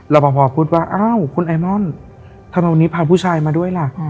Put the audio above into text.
พอพูดว่าอ้าวคุณไอมอนทำไมวันนี้พาผู้ชายมาด้วยล่ะ